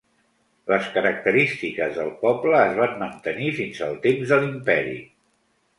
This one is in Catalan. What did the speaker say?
Les característiques del poble es van mantenir fins al temps de l'imperi.